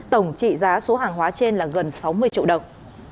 tổng trị giá số hàng hóa trên là gần sáu mươi triệu đồng